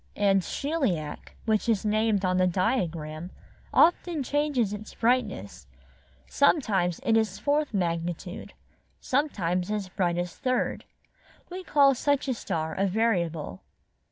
''And Sheliak, which is named on the diagram, often changes its brightness; sometimes it is fourth magnitude ; sometimes as bright as third. We call such a star a variable."